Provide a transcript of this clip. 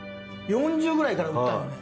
４０ぐらいから打ったんよね。